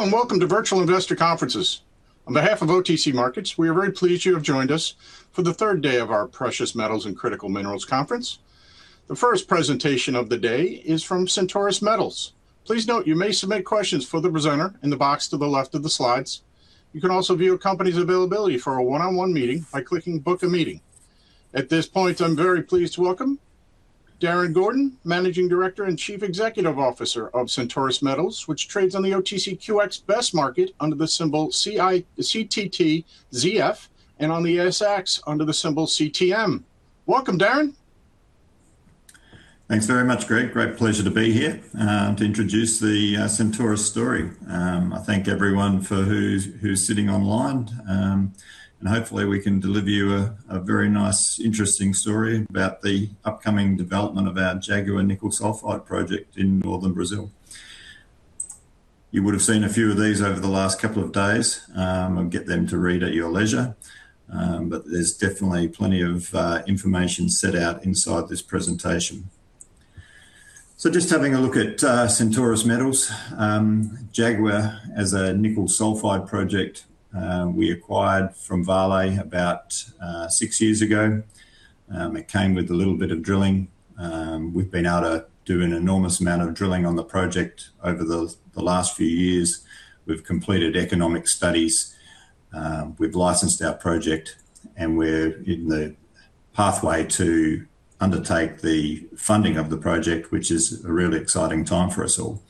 Hello and welcome to Virtual Investor Conferences. On behalf of OTC Markets, we are very pleased you have joined us for the third day of our Precious Metals and Critical Minerals Conference. The first presentation of the day is from Centaurus Metals. Please note you may submit questions for the presenter in the box to the left of the slides. You can also view a company's availability for a one-on-one meeting by clicking Book a Meeting. At this point, I'm very pleased to welcome Darren Gordon, Managing Director and Chief Executive Officer of Centaurus Metals, which trades on the OTCQX Best Market under the symbol CTTZF, and on the ASX under the symbol CTM. Welcome, Darren. Thanks very much, Greg. Great pleasure to be here to introduce the Centaurus story. I thank everyone for who's sitting online. Hopefully we can deliver you a very nice, interesting story about the upcoming development of our Jaguar Nickel Sulphide Project in Northern Brazil. You would have seen a few of these over the last couple of days, get them to read at your leisure. There's definitely plenty of information set out inside this presentation. Just having a look at Centaurus Metals, Jaguar as a Nickel Sulphide Project, we acquired from Vale about six years ago. It came with a little bit of drilling. We've been able to do an enormous amount of drilling on the project over the last few years. We've completed economic studies. We've licensed our project, and we're in the pathway to undertake the funding of the project, which is a really exciting time for us all.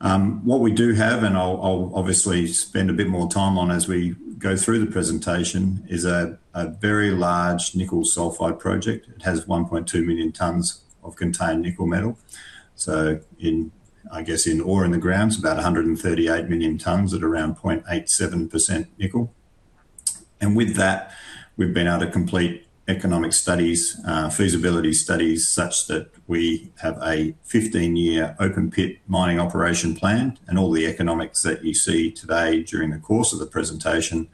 What we do have, and I'll obviously spend a bit more time on as we go through the presentation, is a very large Nickel Sulphide Project. It has 1.2 million tons of contained nickel metal. I guess, in ore in the ground, it's about 138 million tons at around 0.87% nickel. With that, we've been able to complete economic studies, feasibility studies such that we have a 15-year open pit mining operation planned. All the economics that you see today during the course of the presentation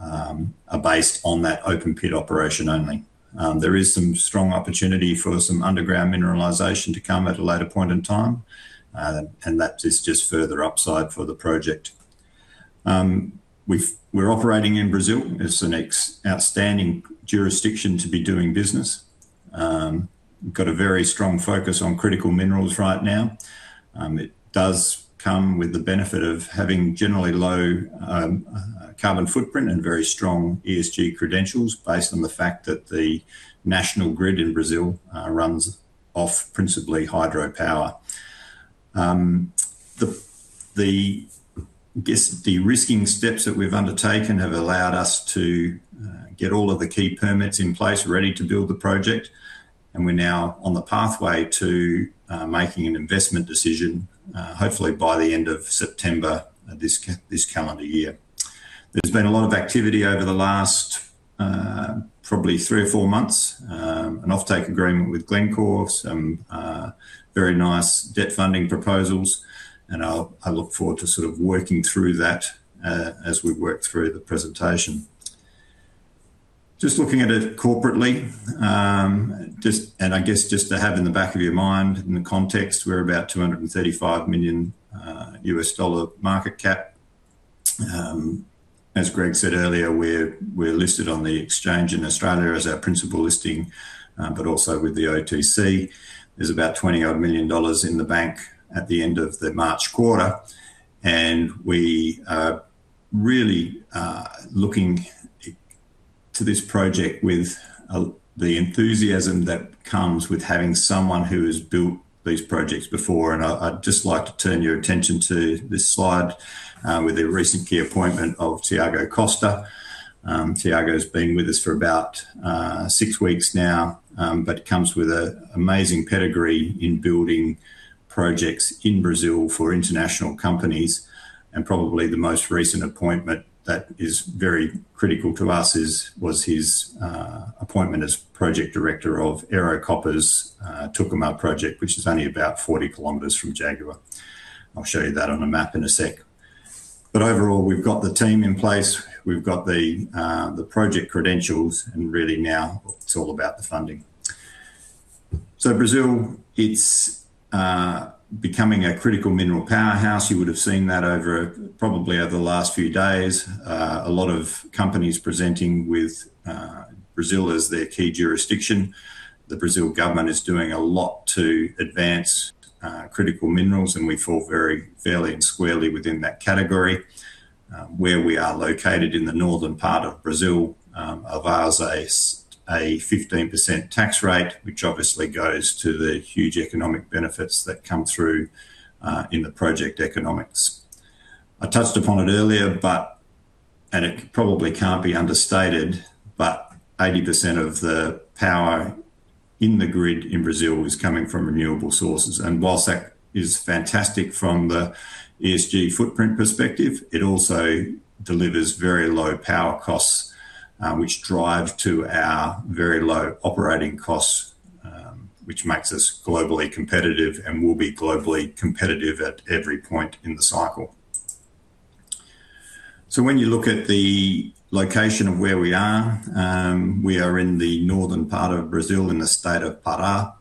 are based on that open pit operation only. There is some strong opportunity for some underground mineralization to come at a later point in time. That is just further upside for the project. We're operating in Brazil. It's an outstanding jurisdiction to be doing business. We've got a very strong focus on critical minerals right now. It does come with the benefit of having generally low carbon footprint and very strong ESG credentials based on the fact that the national grid in Brazil runs off principally hydropower. The risking steps that we've undertaken have allowed us to get all of the key permits in place ready to build the project, and we're now on the pathway to making an investment decision hopefully by the end of September this calendar year. There's been a lot of activity over the last three or four months. An offtake agreement with Glencore, some very nice debt funding proposals, and I look forward to working through that as we work through the presentation. Just looking at it corporately, and I guessed just to have in a back of your mind, in a context, we're about $235 million market cap. As Greg said earlier, we're listed on the exchange in Australia as our principal listing, but also with the OTC. There's about $20 million odd in the bank at the end of the March quarter, and we are really looking to this project with the enthusiasm that comes with having someone who has built these projects before. I'd just like to turn your attention to this slide with the recent key appointment of Thiago Costa. Thiago's been with us for about six weeks now. Comes with an amazing pedigree in building projects in Brazil for international companies. Probably the most recent appointment that is very critical to us was his appointment as Project Director of Ero Copper's Tucumã project, which is only about 40 km from Jaguar. I'll show you that on a map in a sec. Overall, we've got the team in place. We've got the project credentials, and really now it's all about the funding. Brazil, it's becoming a critical mineral powerhouse. You would have seen that over, probably over the last few days. A lot of companies presenting with Brazil as their key jurisdiction. The Brazil government is doing a lot to advance critical minerals, and we fall very fairly and squarely within that category. Where we are located in the northern part of Brazil, allows a 15% tax rate, which obviously goes to the huge economic benefits that come through in the project economics. I touched upon it earlier, but it probably can't be understated, but 80% of the power in the grid in Brazil is coming from renewable sources. Whilst that is fantastic from the ESG footprint perspective, it also delivers very low power costs, which drive to our very low operating costs, which makes us globally competitive and will be globally competitive at every point in the cycle. When you look at the location of where we are, we are in the northern part of Brazil in the State of Pará.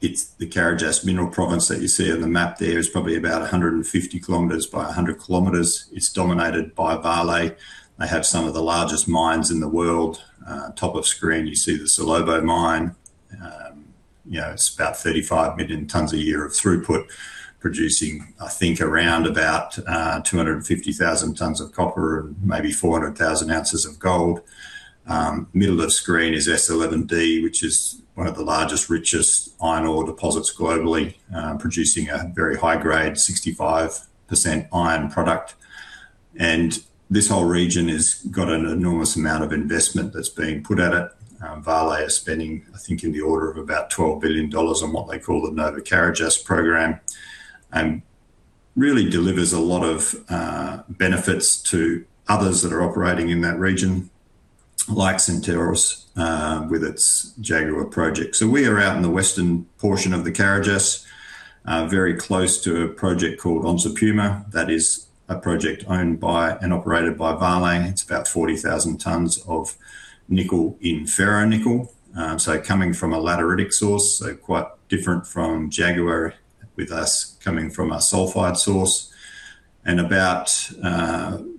It's the Carajás Mineral Province that you see on the map there. It's probably about 150 km by 100 km. It's dominated by Vale. They have some of the largest mines in the world. Top of screen you see the Salobo mine. You know, it's about 35 million tons a year of throughput producing, I think, around about 250,000 tons of copper and maybe 400,000 ounces of gold. Middle of screen is S11D, which is one of the largest, richest iron ore deposits globally, producing a very high grade 65% iron product. This whole region has got an enormous amount of investment that's being put at it. Vale are spending, I think, in the order of about $12 billion on what they call the Novo Carajás Program. Really delivers a lot of benefits to others that are operating in that region, like Centaurus, with its Jaguar Project. We are out in the western portion of the Carajás, very close to a project called Onça Puma. That is a project owned by and operated by Vale. It's about 40,000 tons of nickel in ferronickel. Coming from a lateritic source, quite different from Jaguar with us coming from a sulphide source. About 30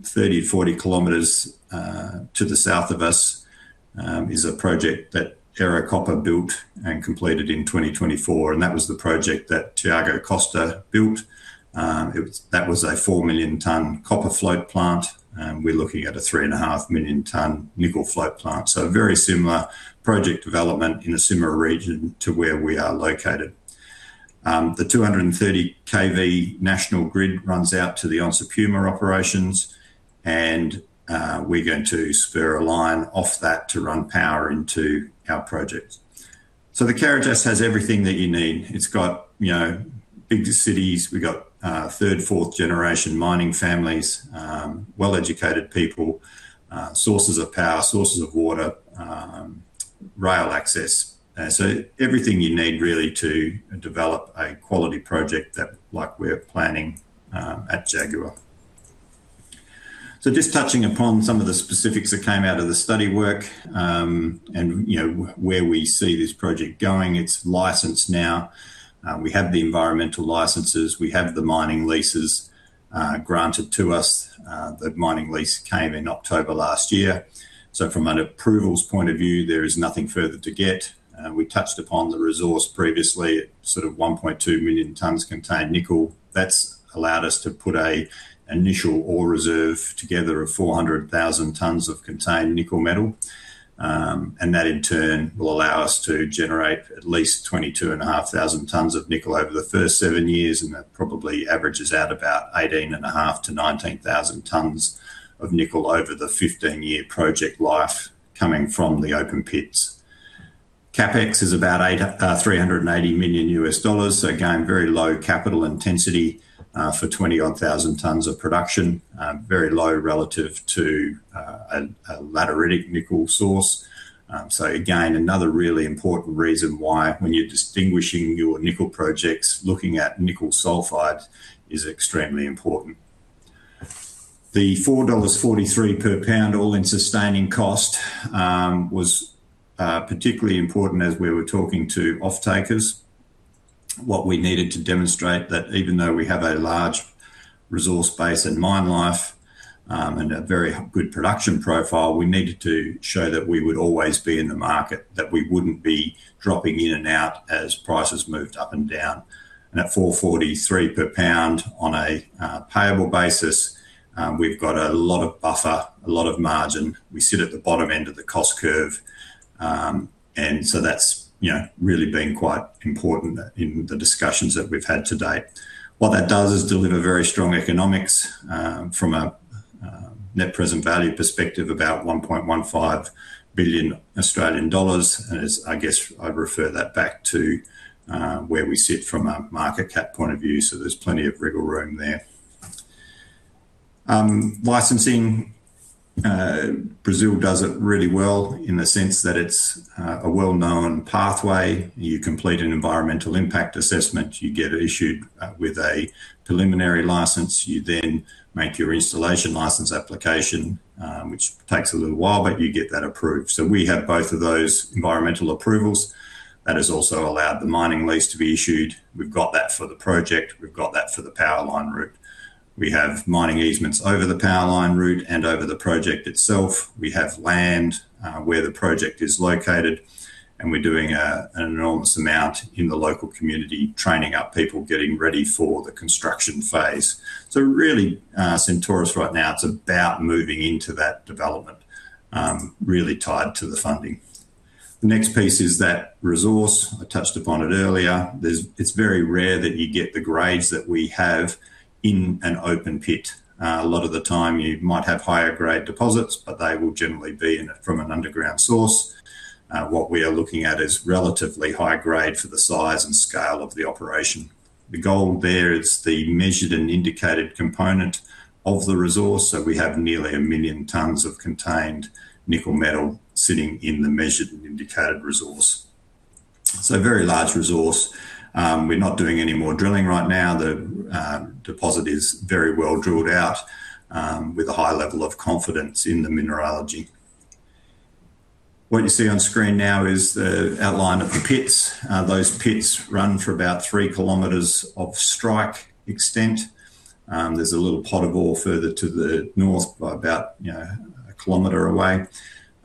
km-40 km to the south of us is a project that Ero Copper built and completed in 2024, and that was the project that Thiago Costa built. That was a 4 million ton copper float plant, and we're looking at a 3.5 million ton nickel float plant. Very similar project development in a similar region to where we are located. The 230 kV national grid runs out to the Onça Puma operations and we're going to spare a line off that to run power into our project. The Carajás has everything that you need. It's got, you know, bigger cities. We've got 3rd-, 4th-generation mining families, well-educated people, sources of power, sources of water, rail access. Everything you need really to develop a quality project that like we're planning at Jaguar. Just touching upon some of the specifics that came out of the study work and, you know, where we see this project going. It's licensed now. We have the environmental licenses. We have the mining leases granted to us. The mining lease came in October last year. From an approvals point of view, there is nothing further to get. We touched upon the resource previously at sort of 1.2 million tons contained nickel. That's allowed us to put a initial ore reserve together of 400,000 tons of contained nickel metal. That in turn will allow us to generate at least 22,500 tons of nickel over the first seven years, and that probably averages out about 18,500 tons-19,000 tons of nickel over the 15-year project life coming from the open pits. CapEx is about $380 million. Again, very low capital intensity, for 20,000 odds tons of production. Very low relative to a lateritic nickel source. Again, another really important reason why when you're distinguishing your nickel projects, looking at nickel sulphides is extremely important. The $4.43 per pound all-in sustaining cost was particularly important as we were talking to off-takers. What we needed to demonstrate that even though we have a large resource base and mine life, and a very good production profile, we needed to show that we would always be in the market, that we wouldn't be dropping in and out as prices moved up and down. At $4.43 per pound on a payable basis, we've got a lot of buffer, a lot of margin. We sit at the bottom end of the cost curve. That's, you know, really been quite important in the discussions that we've had to date. What that does is deliver very strong economics, from a net present value perspective, about 1.15 billion Australian dollars. As I guess I'd refer that back to where we sit from a market cap point of view. There's plenty of wriggle room there. Licensing, Brazil does it really well in the sense that it's a well-known pathway. You complete an environmental impact assessment. You get issued with a preliminary license. You make your Installation License application, which takes a little while, but you get that approved. We have both of those environmental approvals. That has also allowed the mining lease to be issued. We've got that for the project. We've got that for the power line route. We have mining easements over the power line route and over the project itself. We have land where the project is located, we're doing an enormous amount in the local community, training up people, getting ready for the construction phase. Really, Centaurus right now, it's about moving into that development, really tied to the funding. The next piece is that resource. I touched upon it earlier. It's very rare that you get the grades that we have in an open pit. A lot of the time you might have higher grade deposits, but they will generally be from an underground source. What we are looking at is relatively high grade for the size and scale of the operation. The goal there is the Measured and Indicated component of the resource. We have nearly 1 million tons of contained nickel metal sitting in the Measured and Indicated Resource. It's a very large resource. We're not doing any more drilling right now. The deposit is very well drilled out, with a high level of confidence in the mineralogy. What you see on screen now is the outline of the pits. Those pits run for about 3 km of strike extent. There's a little pot of ore further to the north by about, you know, a kilometer away.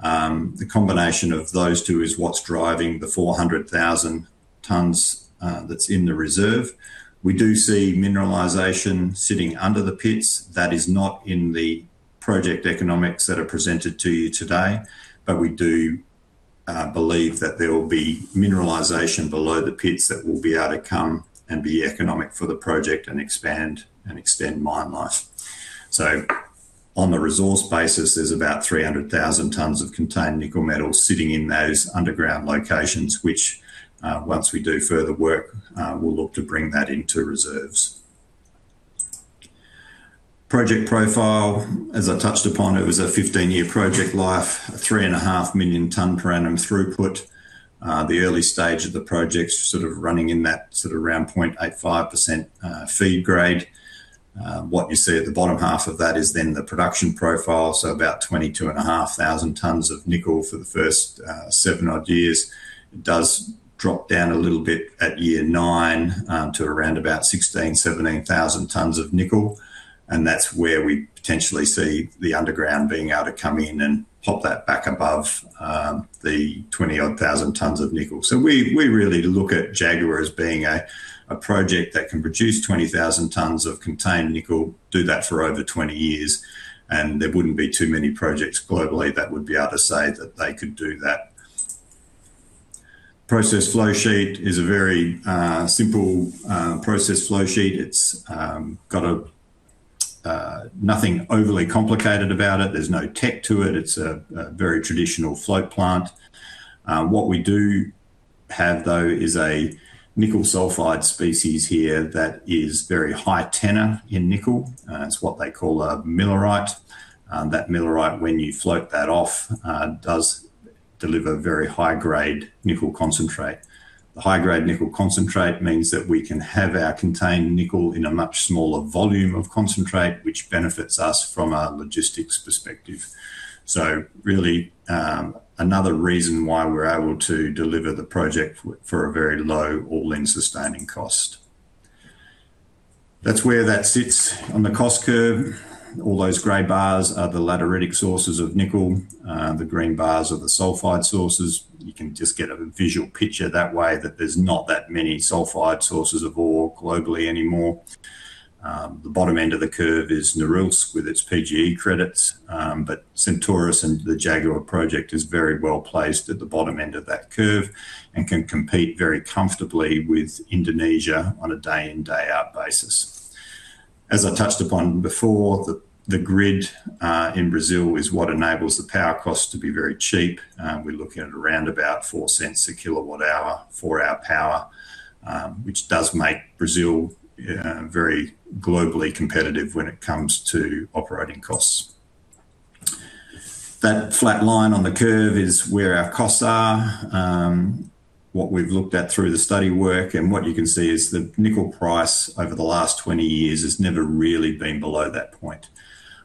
The combination of those two is what's driving the 400,000 tons that's in the reserve. We do see mineralization sitting under the pits. That is not in the project economics that are presented to you today. We do believe that there will be mineralization below the pits that will be able to come and be economic for the project and expand and extend mine life. On the resource basis, there's about 300,000 tons of contained nickel metal sitting in those underground locations, which, once we do further work, we'll look to bring that into reserves. Project profile, as I touched upon, it was a 15-year project life, 3.5 million ton per annum throughput. The early stage of the project's sort of running in that sort of around 0.85% feed grade. What you see at the bottom half of that is then the production profile, about 22,500 tons of nickel for the first, seven-odd year It does drop down a little bit at year nine, to around about 16,000, 17,000 tons of nickel. That's where we potentially see the underground being able to come in and pop that back above the 20,000 odds tons of nickel. We really look at Jaguar as being a project that can produce 20,000 tons of contained nickel, do that for over 20 years. There wouldn't be too many projects globally that would be able to say that they could do that. Process flow sheet is a very simple process flow sheet. It's got a nothing overly complicated about it. There's no tech to it. It's a very traditional float plant. What we do have, though, is a nickel sulphide species here that is very high tenor in nickel. It's what they call a millerite. That millerite, when you float that off, does deliver very high-grade nickel concentrate. The high-grade nickel concentrate means that we can have our contained nickel in a much smaller volume of concentrate, which benefits us from a logistics perspective. Really, another reason why we're able to deliver the project for a very low all-in sustaining cost. That's where that sits on the cost curve. All those gray bars are the lateritic sources of nickel. The green bars are the sulphide sources. You can just get a visual picture that way that there's not that many sulphide sources of ore globally anymore. The bottom end of the curve is Norilsk with its PGE credits. Centaurus and the Jaguar Project is very well placed at the bottom end of that curve and can compete very comfortably with Indonesia on a day in, day out basis. As I touched upon before, the grid in Brazil is what enables the power costs to be very cheap. We're looking at around about $0.04 a kilowatt-hour for our power, which does make Brazil very globally competitive when it comes to operating costs. That flat line on the curve is where our costs are. What we've looked at through the study work, and what you can see is the nickel price over the last 20 years has never really been below that point.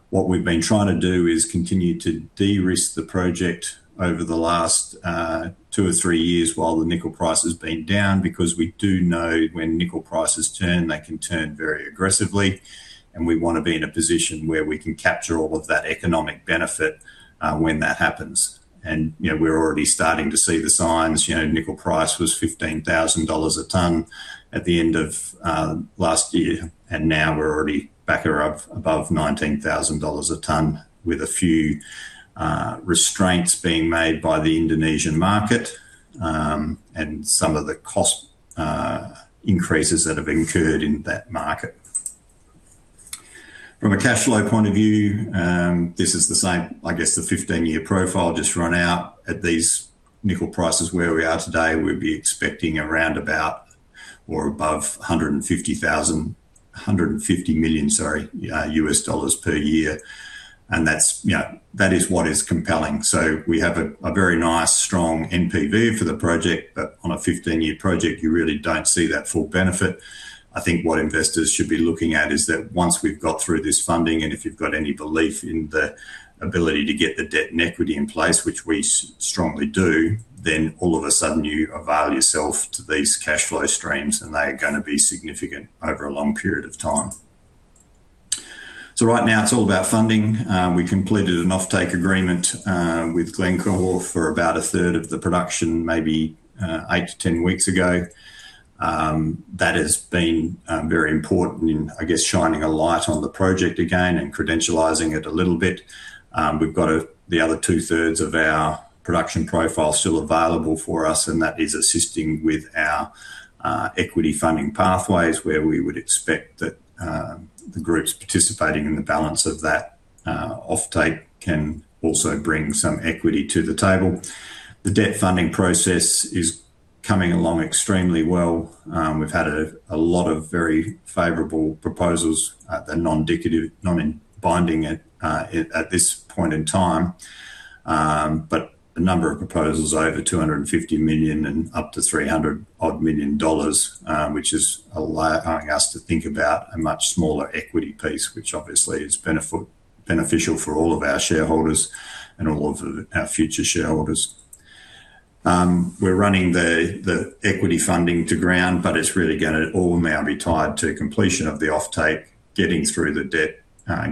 What we've been trying to do is continue to de-risk the project over the last two or three years while the nickel price has been down, because we do know when nickel prices turn, they can turn very aggressively, and we want to be in a position where we can capture all of that economic benefit when that happens. You know, we're already starting to see the signs. You know, nickel price was $15,000 a ton at the end of last year, and now we're already back or up above $9,000 a ton with a few restraints being made by the Indonesian market, and some of the cost increases that have occurred in that market. From a cash flow point of view, this is the same, I guess, the 15-year profile just run out. At these nickel prices where we are today, we'd be expecting around about or above $150 million per year. That's, you know, that is what is compelling. We have a very nice strong NPV for the project. On a 15-year project, you really don't see that full benefit. I think what investors should be looking at is that once we've got through this funding, and if you've got any belief in the ability to get the debt and equity in place, which we strongly do, then all of a sudden you avail yourself to these cash flow streams, and they are gonna be significant over a long period of time. Right now it's all about funding. We completed an offtake agreement with Glencore for about a third of the production maybe, 8-10 weeks ago. That has been very important in, I guess, shining a light on the project again and credentializing it a little bit. We've got the other 2/3 of our production profile still available for us, and that is assisting with our equity funding pathways where we would expect that the groups participating in the balance of that offtake can also bring some equity to the table. The debt funding process is coming along extremely well. We've had a lot of very favorable proposals at the non-binding at this point in time. A number of proposals over $250 million and up to $300 odd million, which is allowing us to think about a much smaller equity piece, which obviously is beneficial for all of our shareholders and all of our future shareholders. We're running the equity funding to ground, but it's really gonna all now be tied to completion of the offtake, getting through the debt,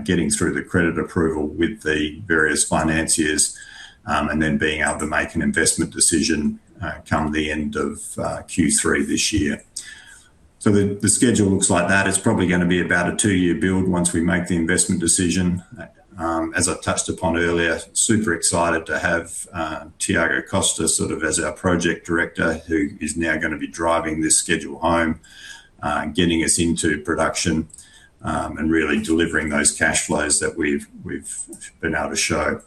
getting through the credit approval with the various financiers, and then being able to make an investment decision, come the end of Q3 this year. The schedule looks like that. It's probably gonna be about a two year build once we make the investment decision. As I touched upon earlier, super excited to have Thiago Costa sort of as our Project Director who is now gonna be driving this schedule home, getting us into production, and really delivering those cash flows that we've been able to show.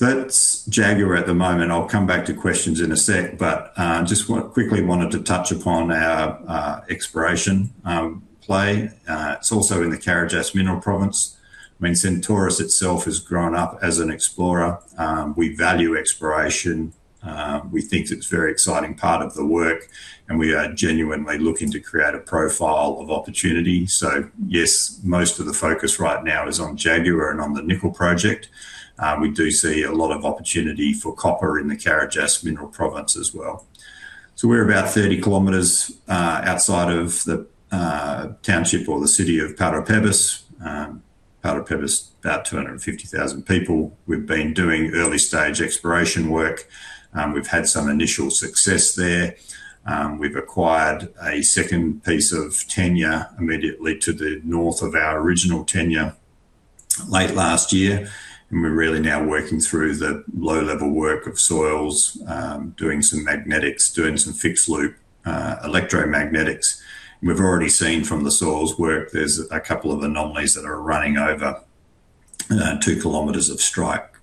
That's Jaguar at the moment. I'll come back to questions in a sec, but quickly wanted to touch upon our exploration play. It's also in the Carajás Mineral Province. I mean, Centaurus itself has grown up as an explorer. We value exploration. We think it's a very exciting part of the work, and we are genuinely looking to create a profile of opportunity. Yes, most of the focus right now is on Jaguar and on the Nickel Project. We do see a lot of opportunity for copper in the Carajás Mineral Province as well. We're about 30 km outside of the township or the city of Parauapebas. Parauapebas, about 250,000 people. We've been doing early stage exploration work. We've had some initial success there. We've acquired a second piece of tenure immediately to the north of our original tenure late last year, and we're really now working through the low-level work of soils, doing some magnetics, doing some fixed loop electromagnetics. We've already seen from the soils work, there's a couple of anomalies that are running over 2 km of strike.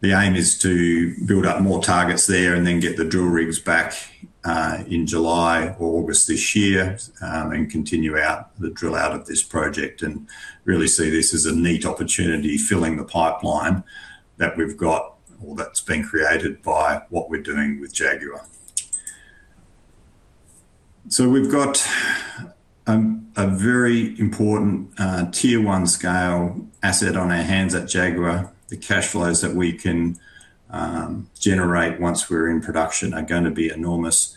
The aim is to build up more targets there and then get the drill rigs back in July or August this year, and continue out the drill out of this project and really see this as a neat opportunity filling the pipeline that we've got or that's been created by what we're doing with Jaguar. We've got a very important Tier 1 scale asset on our hands at Jaguar. The cash flows that we can generate once we're in production are gonna be enormous.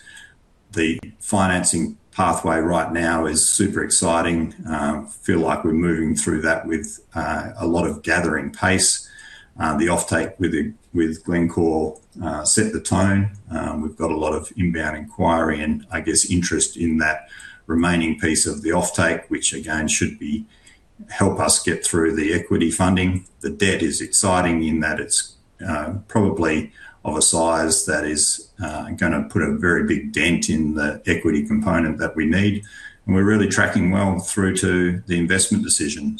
The financing pathway right now is super exciting. I feel like we're moving through that with a lot of gathering pace. The offtake with Glencore set the tone. We've got a lot of inbound inquiry and I guess interest in that remaining piece of the offtake, which again, should help us get through the equity funding. The debt is exciting in that it's probably of a size that is gonna put a very big dent in the equity component that we need, and we're really tracking well through to the investment decision.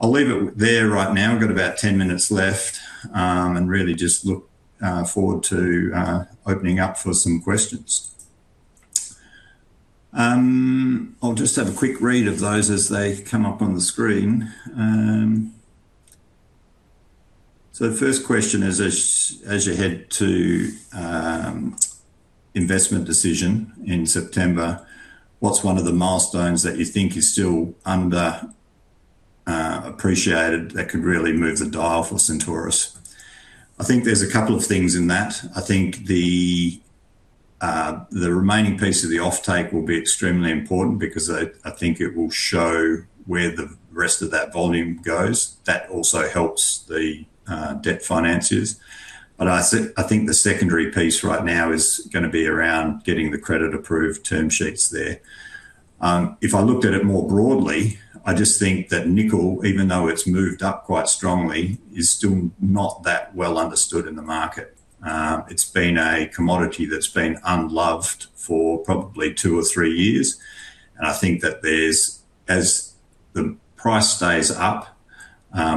I'll leave it there right now. Got about 10 minutes left, and really just look forward to opening up for some questions. I'll just have a quick read of those as they come up on the screen. The first question is, as you head to investment decision in September, what's one of the milestones that you think is still under appreciated that could really move the dial for Centaurus? I think there's a couple of things in that. I think the remaining piece of the offtake will be extremely important because I think it will show where the rest of that volume goes. That also helps the debt financiers. I think the secondary piece right now is gonna be around getting the credit approved term sheets there. If I looked at it more broadly, I just think that nickel, even though it's moved up quite strongly, is still not that well understood in the market. It's been a commodity that's been unloved for probably two or three years. I think that there's as the price stays up,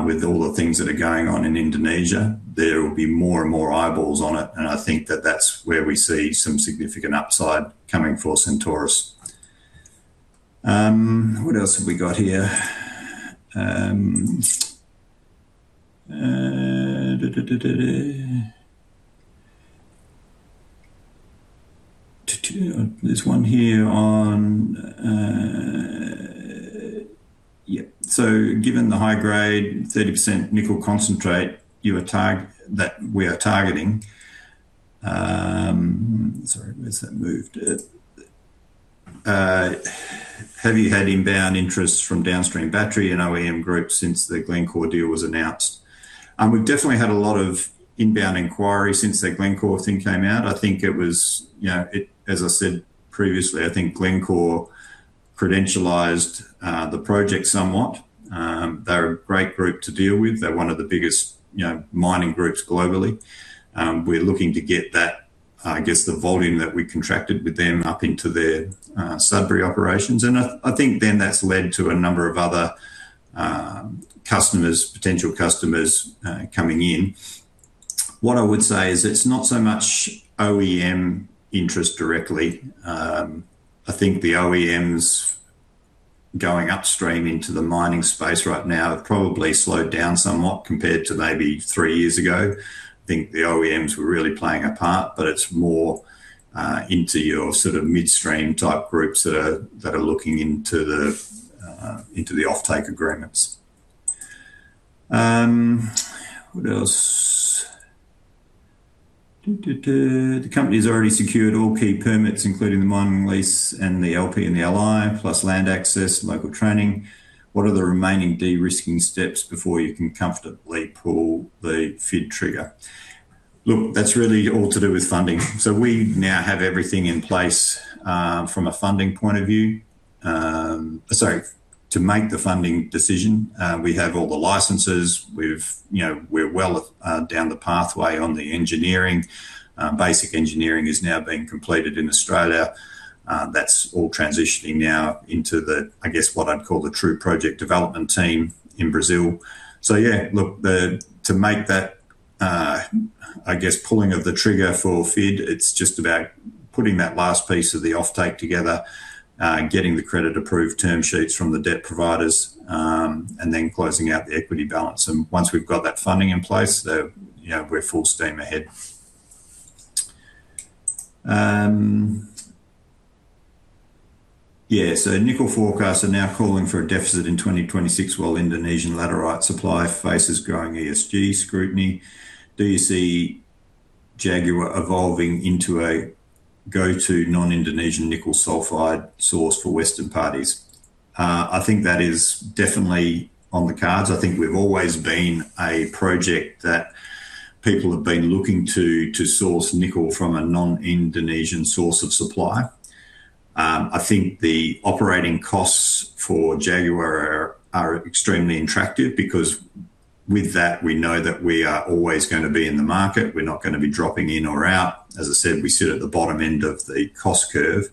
with all the things that are going on in Indonesia, there will be more and more eyeballs on it. I think that that's where we see some significant upside coming for Centaurus. What else have we got here? There's one here on, given the high grade 30% nickel concentrate that we are targeting. Sorry, where's that moved it? Have you had inbound interest from downstream battery and OEM groups since the Glencore deal was announced? We've definitely had a lot of inbound inquiry since that Glencore thing came out. I think it was, you know, as I said previously, I think Glencore credentialized the project somewhat. They're a great group to deal with. They're one of the biggest, you know, mining groups globally. We're looking to get that, I guess the volume that we contracted with them up into their Sudbury operations. I think that's led to a number of other customers, potential customers, coming in. What I would say is it's not so much OEM interest directly. I think the OEMs going upstream into the mining space right now have probably slowed down somewhat compared to maybe three years ago. I think the OEMs were really playing a part, but it's more into your sort of midstream type groups that are looking into the offtake agreements. What else? The company's already secured all key permits, including the mining lease and the LP and the LI, plus land access, local training. What are the remaining de-risking steps before you can comfortably pull the FID trigger? Look, that's really all to do with funding. We now have everything in place from a funding point of view. Sorry, to make the funding decision. We have all the licenses. We've, you know, we're well down the pathway on the engineering. Basic engineering is now being completed in Australia. That's all transitioning now into the, I guess, what I'd call the true project development team in Brazil. Yeah, look, to make that, I guess pulling of the trigger for FID, it's just about putting that last piece of the offtake together, getting the credit approved term sheets from the debt providers, and then closing out the equity balance. Once we've got that funding in place, you know, we're full steam ahead. Nickel forecasts are now calling for a deficit in 2026 while Indonesian laterite supply faces growing ESG scrutiny. Do you see Jaguar evolving into a go-to non-Indonesian nickel sulphide source for Western parties? I think that is definitely on the cards. I think we've always been a project that people have been looking to source nickel from a non-Indonesian source of supply. I think the operating costs for Jaguar are extremely attractive because with that we know that we are always gonna be in the market. We're not gonna be dropping in or out. As I said, we sit at the bottom end of the cost curve.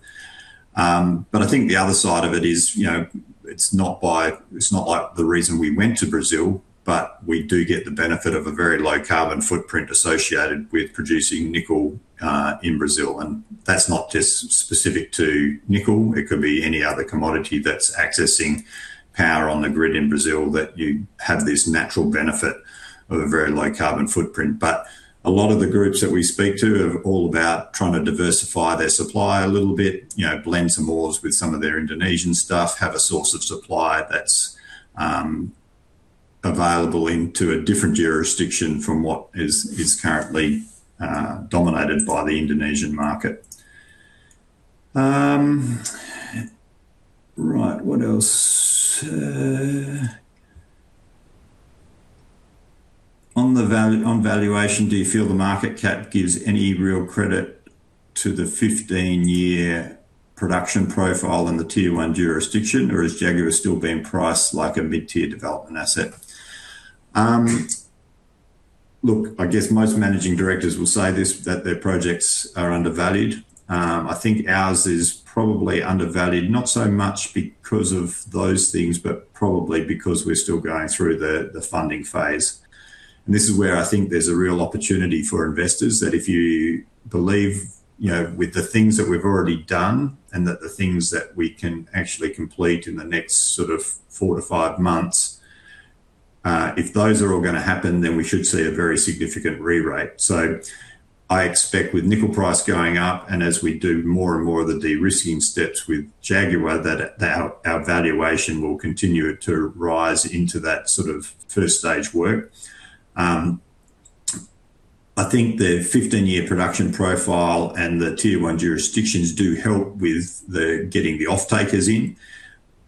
But I think the other side of it is, you know, it's not by, it's not like the reason we went to Brazil, but we do get the benefit of a very low carbon footprint associated with producing nickel in Brazil, and that's not just specific to nickel. It could be any other commodity that's accessing power on the grid in Brazil, that you have this natural benefit of a very low carbon footprint. A lot of the groups that we speak to are all about trying to diversify their supply a little bit, you know, blend some ores with some of their Indonesian stuff, have a source of supply that's available into a different jurisdiction from what is currently dominated by the Indonesian market. Right. What else? On valuation, do you feel the market cap gives any real credit to the 15-year production profile in the Tier 1 jurisdiction, or is Jaguar still being priced like a mid-tier development asset? Look, I guess most managing directors will say this, that their projects are undervalued. I think ours is probably undervalued, not so much because of those things, but probably because we're still going through the funding phase. This is where I think there's a real opportunity for investors that if you believe, you know, with the things that we've already done and that the things that we can actually complete in the next sort of four to five months, if those are all going to happen, then we should see a very significant re-rate. I expect with nickel price going up and as we do more and more of the de-risking steps with Jaguar, that our valuation will continue to rise into that sort of first stage work. I think the 15-year production profile and the Tier 1 jurisdictions do help with the getting the off-takers in.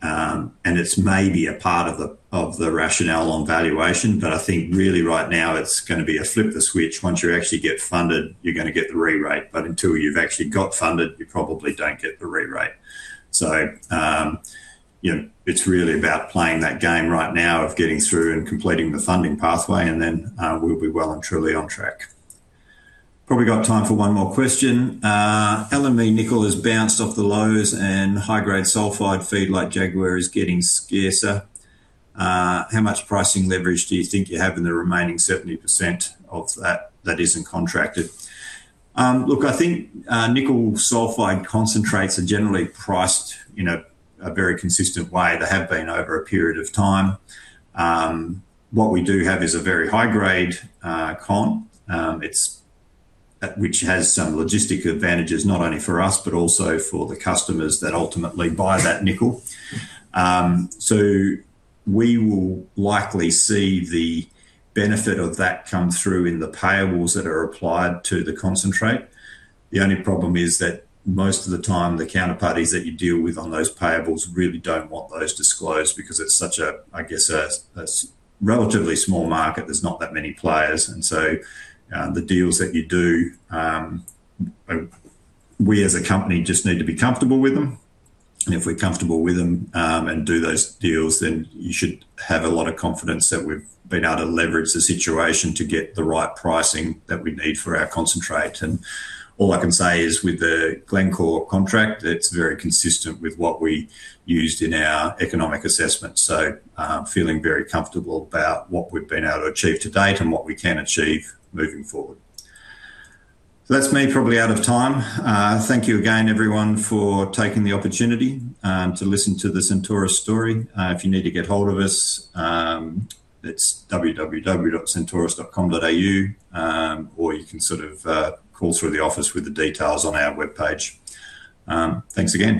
It's maybe a part of the rationale on valuation, but I think really right now it's going to be a flip the switch. Once you actually get funded, you're gonna get the re-rate, until you've actually got funded, you probably don't get the re-rate. You know, it's really about playing that game right now of getting through and completing the funding pathway and then we'll be well and truly on track. Probably got time for one more question. LME nickel has bounced off the lows and high-grade sulphide feed like Jaguar is getting scarcer. How much pricing leverage do you think you have in the remaining 70% of that that isn't contracted? Look, I think nickel sulphide concentrates are generally priced in a very consistent way. They have been over a period of time. What we do have is a very high-grade con, it's which has some logistic advantages, not only for us, but also for the customers that ultimately buy that nickel. We will likely see the benefit of that come through in the payables that are applied to the concentrate. The only problem is that most of the time the counterparties that you deal with on those payables really don't want those disclosed because it's such a, I guess, a relatively small market. There's not that many players. The deals that you do, we as a company just need to be comfortable with them. If we're comfortable with them and do those deals, then you should have a lot of confidence that we've been able to leverage the situation to get the right pricing that we need for our concentrate. All I can say is with the Glencore contract, it's very consistent with what we used in our economic assessment. Feeling very comfortable about what we've been able to achieve to date and what we can achieve moving forward. That's me probably out of time. Thank you again everyone for taking the opportunity to listen to the Centaurus story. If you need to get hold of us, it's www.centaurus.com.au, or you can sort of call through the office with the details on our webpage. Thanks again.